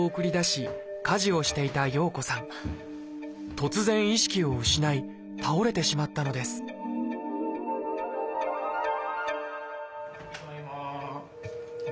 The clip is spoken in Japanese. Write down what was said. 突然意識を失い倒れてしまったのですただいま。